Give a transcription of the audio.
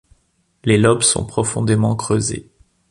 Les lobes sont profondément creusés.